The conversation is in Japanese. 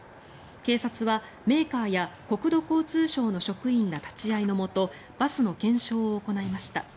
警察はメーカーや、国土交通省の職員ら立ち会いのもとバスの検証を行いました。